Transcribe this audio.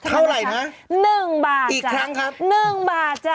เท่าไหร่นะ๑บาทกี่ครั้งครับ๑บาทจ้ะ